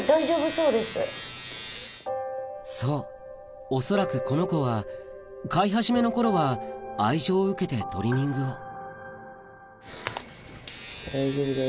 そう恐らくこの子は飼い始めの頃は愛情を受けてトリミングを大丈夫だよ。